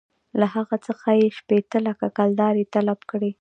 له هغه څخه یې شپېته لکه کلدارې طلب کړې.